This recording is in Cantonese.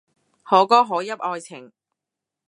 可歌可泣愛情